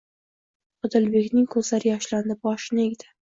Odilbekning ko'zlari yoshlandi. Boshini egdi: